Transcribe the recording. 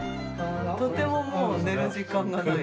とてももう、寝る時間がない。